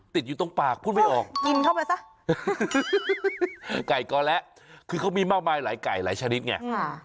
ติดอยู่ตรงปากพูดไม่ออกแก่กเราแล้วคือเขามีมากมายหลายไก่หลายชนิดไง